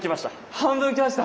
半分きました？